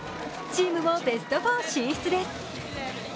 チームもベスト４進出です。